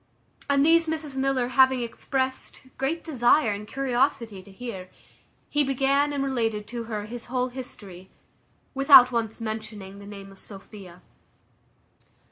And these Mrs Miller having expressed great desire and curiosity to hear, he began and related to her his whole history, without once mentioning the name of Sophia.